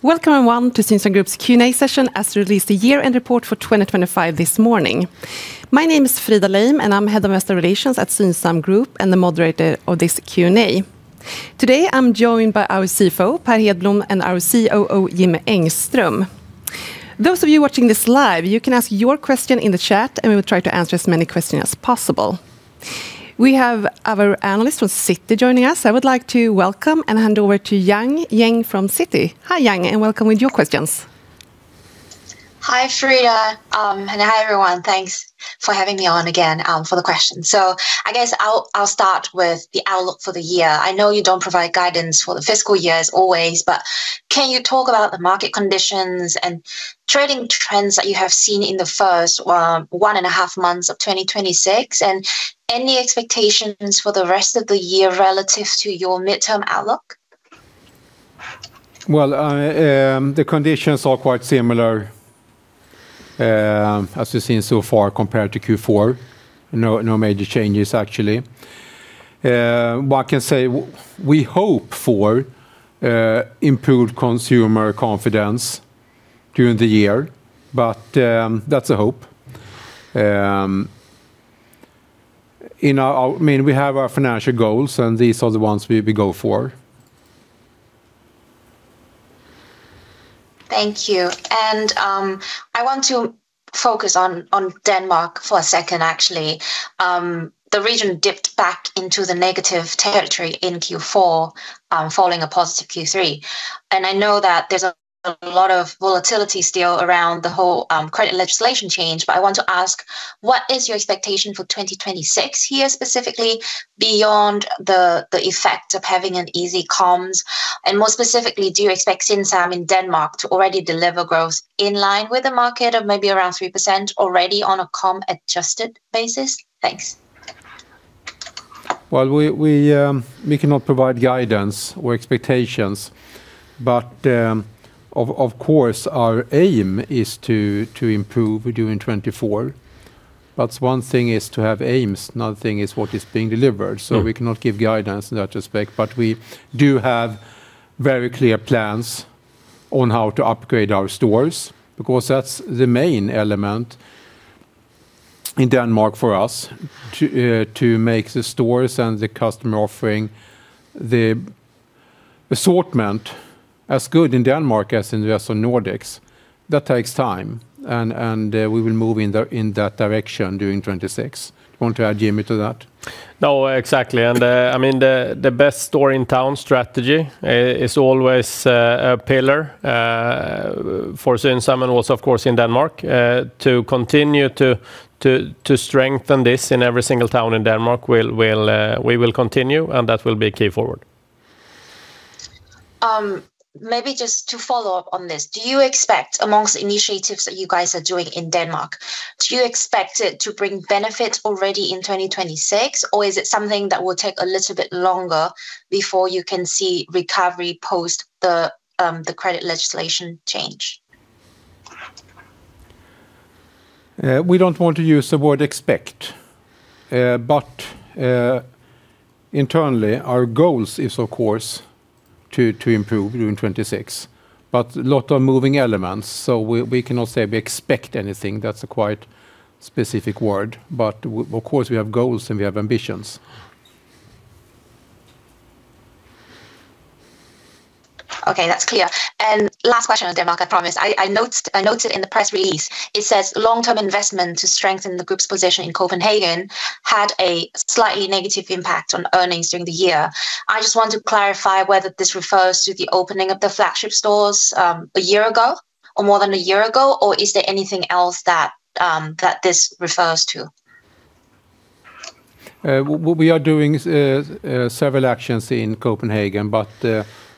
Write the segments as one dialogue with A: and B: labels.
A: Welcome, everyone, to Synsam Group's Q&A Session, as we released the Year-End Report for 2025 this morning. My name is Frida Leim, and I'm Head of Investor Relations at Synsam Group and the moderator of this Q&A. Today, I'm joined by our CFO, Per Hedblom, and our COO, Jimmy Engström. Those of you watching this live, you can ask your question in the chat, and we will try to answer as many questions as possible. We have our analyst from Citi joining us. I would like to welcome and hand over to Giang Nguyen from Citi. Hi, Giang, and welcome with your questions.
B: Hi, Frida, and hi, everyone. Thanks for having me on again, for the questions. So I guess I'll start with the outlook for the year. I know you don't provide guidance for the fiscal year as always, but can you talk about the market conditions and trading trends that you have seen in the first one and a half months of 2026, and any expectations for the rest of the year relative to your midterm outlook?
C: Well, the conditions are quite similar, as we've seen so far compared to Q4. No, no major changes, actually. What I can say, we hope for improved consumer confidence during the year, but that's a hope. You know, I mean, we have our financial goals, and these are the ones we, we go for.
B: Thank you. And I want to focus on Denmark for a second, actually. The region dipped back into the negative territory in Q4, following a positive Q3. And I know that there's a lot of volatility still around the whole credit legislation change, but I want to ask, what is your expectation for 2026 here, specifically, beyond the effect of having an easy comps? And more specifically, do you expect Synsam in Denmark to already deliver growth in line with the market or maybe around 3% already on a comps-adjusted basis? Thanks.
C: Well, we cannot provide guidance or expectations, but, of course, our aim is to improve during 2024. But one thing is to have aims, another thing is what is being delivered, so we cannot give guidance in that respect. But we do have very clear plans on how to upgrade our stores, because that's the main element in Denmark for us: to make the stores and the customer offering, the assortment, as good in Denmark as in the rest of Nordics. That takes time, and we will move in that direction during 2026. You want to add, Jimmy, to that?
D: No, exactly. And, I mean, the Best Store in Town strategy is always a pillar for Synsam and also, of course, in Denmark. To continue to strengthen this in every single town in Denmark, we will continue, and that will be key forward.
B: Maybe just to follow up on this, do you expect among initiatives that you guys are doing in Denmark, do you expect it to bring benefits already in 2026, or is it something that will take a little bit longer before you can see recovery post the, the credit legislation change?
C: We don't want to use the word expect, but internally, our goals is, of course, to improve during 2026. But a lot of moving elements, so we cannot say we expect anything. That's a quite specific word, but of course, we have goals and we have ambitions.
B: Okay, that's clear. And last question on Denmark, I promise. I noted in the press release, it says long-term investment to strengthen the group's position in Copenhagen had a slightly negative impact on earnings during the year. I just want to clarify whether this refers to the opening of the flagship stores, a year ago or more than a year ago, or is there anything else that this refers to?
C: What we are doing is several actions in Copenhagen, but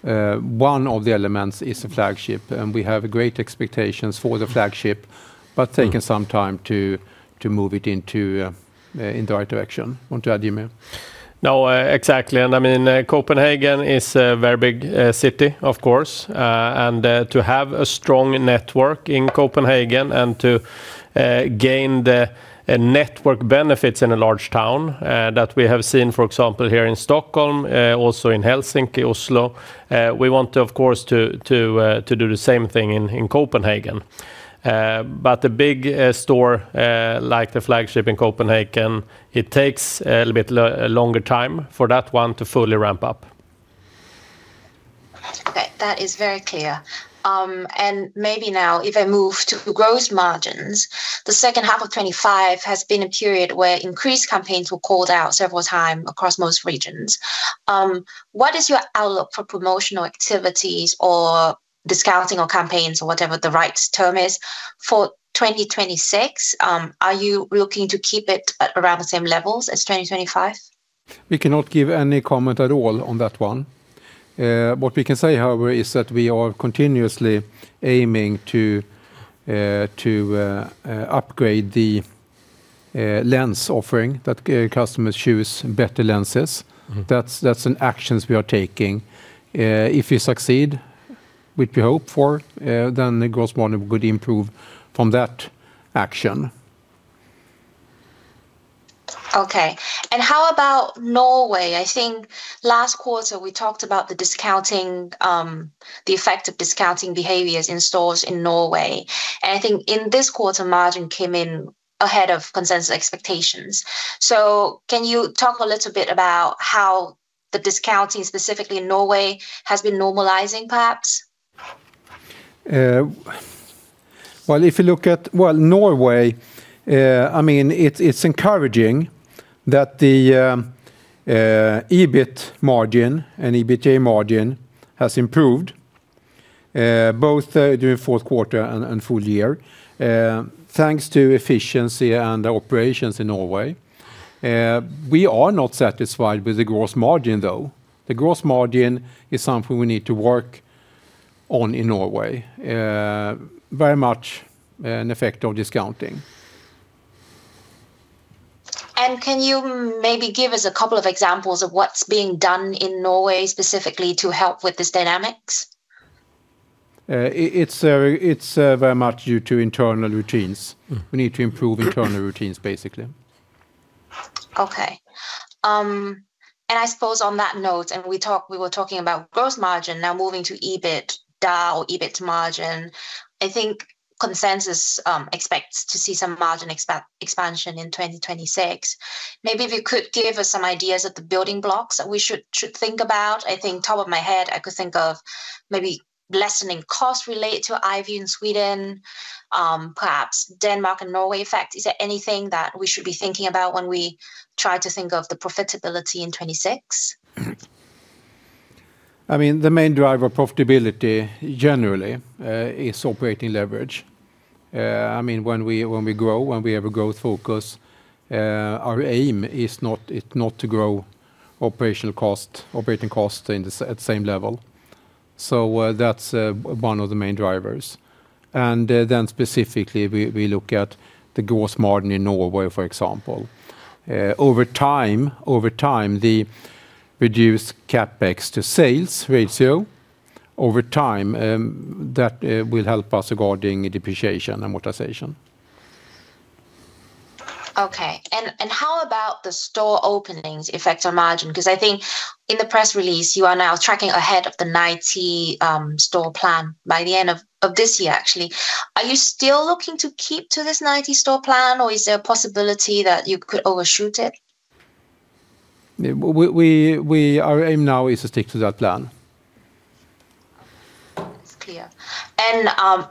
C: one of the elements is the flagship, and we have great expectations for the flagship, but taking some time to move it into the right direction. Want to add, Jimmy?
D: No, exactly, and I mean, Copenhagen is a very big city, of course. And to have a strong network in Copenhagen and to gain the network benefits in a large town that we have seen, for example, here in Stockholm, also in Helsinki, Oslo, we want to, of course, to do the same thing in Copenhagen. But the big store, like the flagship in Copenhagen, it takes a little bit longer time for that one to fully ramp up.
B: Okay, that is very clear. And maybe now if I move to gross margins, the second half of 2025 has been a period where increased campaigns were called out several times across most regions. What is your outlook for promotional activities or discounting or campaigns or whatever the right term is for 2026? Are you looking to keep it at around the same levels as 2025?
C: We cannot give any comment at all on that one. What we can say, however, is that we are continuously aiming to upgrade the lens offering, that customers choose better lenses.
D: Mm-hmm.
C: That's an actions we are taking. If we succeed, which we hope for, then the gross margin would improve from that action. ...
B: Okay, and how about Norway? I think last quarter we talked about the discounting, the effect of discounting behaviors in stores in Norway. And I think in this quarter, margin came in ahead of consensus expectations. So can you talk a little bit about how the discounting, specifically in Norway, has been normalizing, perhaps?
C: Well, if you look at, well, Norway, I mean, it's encouraging that the EBIT margin and EBITA margin has improved both during fourth quarter and full year, thanks to efficiency and operations in Norway. We are not satisfied with the gross margin, though. The gross margin is something we need to work on in Norway. Very much an effect of discounting.
B: Can you maybe give us a couple of examples of what's being done in Norway specifically to help with this dynamics?
C: It's very much due to internal routines. We need to improve internal routines, basically.
B: Okay. And I suppose on that note, we were talking about gross margin, now moving to EBIT, DAO, EBIT margin. I think consensus expects to see some margin expansion in 2026. Maybe if you could give us some ideas of the building blocks that we should think about. I think top of my head, I could think of maybe lessening costs related to IT in Sweden, perhaps Denmark and Norway effect. Is there anything that we should be thinking about when we try to think of the profitability in 2026?
C: I mean, the main driver of profitability generally is operating leverage. I mean, when we grow, when we have a growth focus, our aim is not, it's not to grow operational costs at the same level. So, that's one of the main drivers. And then specifically, we look at the gross margin in Norway, for example. Over time, the reduced CapEx to sales ratio will help us regarding depreciation and amortization.
B: Okay. And how about the store openings effect on margin? Because I think in the press release, you are now tracking ahead of the 90 store plan by the end of this year, actually. Are you still looking to keep to this 90 store plan, or is there a possibility that you could overshoot it?
C: Yeah, our aim now is to stick to that plan.
B: It's clear. And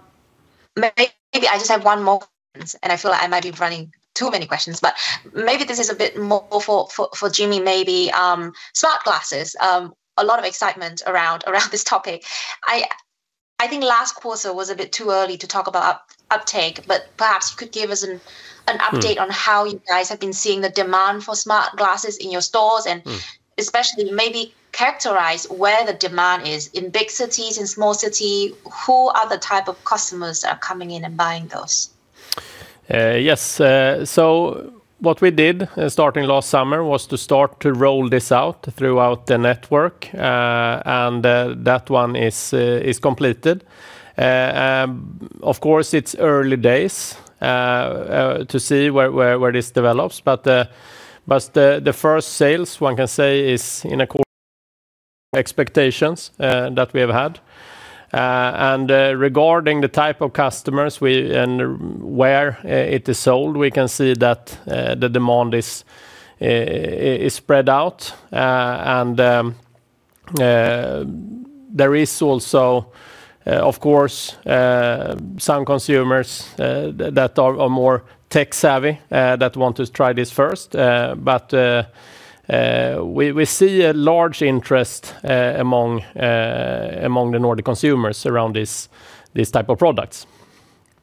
B: maybe I just have one more question, and I feel like I might be running too many questions, but maybe this is a bit more for Jimmy, maybe. Smart glasses, a lot of excitement around this topic. I think last quarter was a bit too early to talk about uptake, but perhaps you could give us an update-
C: Mm...
B: on how you guys have been seeing the demand for smart glasses in your stores, and-
C: Mm...
B: especially maybe characterize where the demand is. In big cities, in small city? Who are the type of customers that are coming in and buying those?
D: Yes. So what we did, starting last summer, was to start to roll this out throughout the network, and that one is completed. Of course, it's early days to see where this develops, but the first sales, one can say, is in accordance expectations that we have had. And regarding the type of customers we and where it is sold, we can see that the demand is spread out. And there is also, of course, some consumers that are more tech-savvy that want to try this first. But we see a large interest among the Nordic consumers around this, these type of products.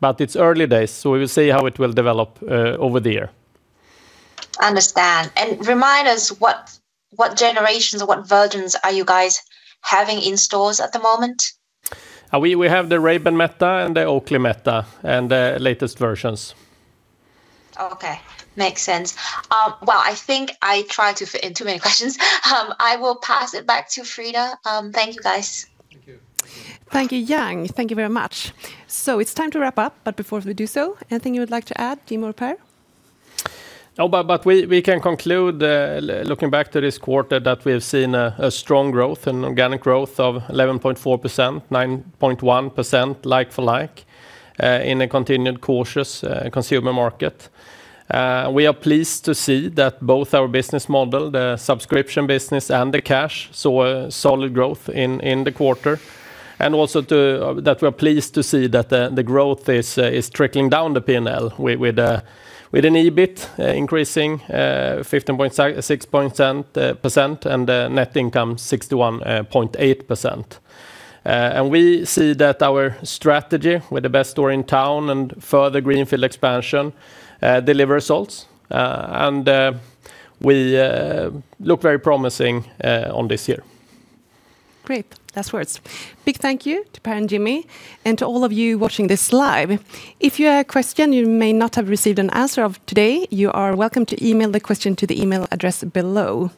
D: But it's early days, so we will see how it will develop, over the year.
B: Understand. Remind us what, what generations or what versions are you guys having in stores at the moment?
D: We have the Ray-Ban Meta and the Oakley Meta, and the latest versions.
B: Okay. Makes sense. Well, I think I tried to fit in too many questions. I will pass it back to Frida. Thank you, guys.
D: Thank you.
C: Thank you.
A: Thank you, Giang. Thank you very much. It's time to wrap up, but before we do so, anything you would like to add, Jimmy or Per?
D: No, but we can conclude, looking back to this quarter, that we have seen a strong growth, an organic growth of 11.4%, 9.1% like-for-like, in a continued cautious consumer market. We are pleased to see that both our business model, the subscription business and the cash, saw a solid growth in the quarter. And also that we're pleased to see that the growth is trickling down the P&L with an EBIT increasing 15.6%, and net income 61.8%. And we see that our strategy with the best store in town and further greenfield expansion deliver results, and we look very promising on this year.
A: Great. Last words. Big thank you to Per and Jimmy, and to all of you watching this live. If you have a question you may not have received an answer of today, you are welcome to email the question to the email address below.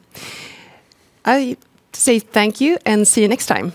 A: I say thank you, and see you next time.